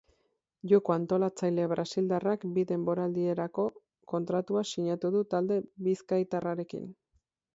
Joko-antolatzaile brasildarrak bi denboraldirako kontratua sinatu du talde bizkaitarrarekin.